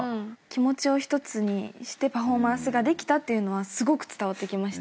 気持ちを一つにしてパフォーマンスができたっていうのはすごく伝わってきましたね。